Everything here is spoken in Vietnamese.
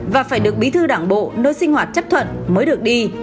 và phải được bí thư đảng bộ nơi sinh hoạt chấp thuận mới được đi